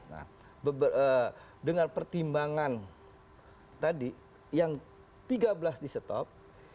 nah dengan pertimbangan tadi yang tiga belas di stop